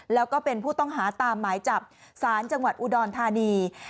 แล้วก็เป็นผู้ต้องหาตามหมายจับสารจังหวัดอุดรธานี